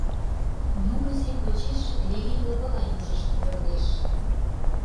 Муро сем почеш Лилий лывыла южышто пӧрдеш.